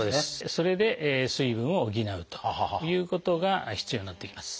それで水分を補うということが必要になってきます。